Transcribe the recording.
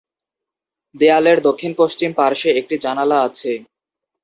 দেয়ালের দক্ষিণ-পশ্চিম পার্শ্বে একটি জানালা আছে।